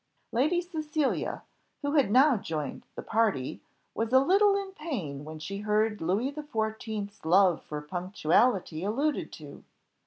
Lady Cecilia, who had now joined the party, was a little in pain when she heard Louis the Fourteenth's love for punctuality alluded to.